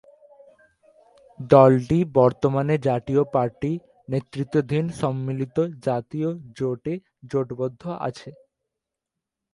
দলটি বর্তমানে জাতীয় পার্টি নেতৃত্বাধীন সম্মিলিত জাতীয় জোটে জোটবদ্ধ আছে।